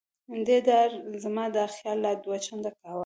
دې ډار زما دا خیال لا دوه چنده کاوه.